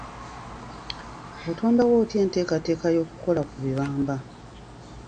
Otondawo otya enteekateeka y'okukola ku bibamba?